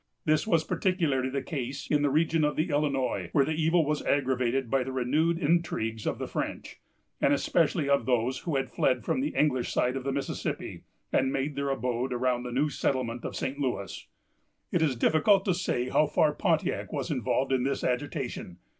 This was particularly the case in the region of the Illinois, where the evil was aggravated by the renewed intrigues of the French, and especially of those who had fled from the English side of the Mississippi, and made their abode around the new settlement of St. Louis. It is difficult to say how far Pontiac was involved in this agitation.